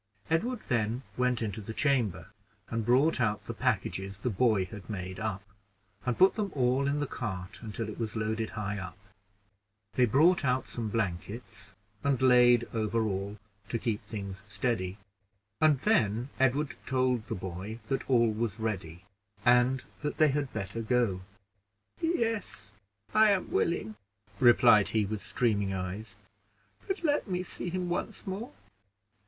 Edward then went into the chamber, and brought out the packages the boy had made up, and put them all in the cart until it was loaded high up; they brought out some blankets, and laid over all to keep things steady; and then Edward told the boy that all was ready, and that they had better go. "Yes, I am willing," replied he, with streaming eyes; "but let me see him once more."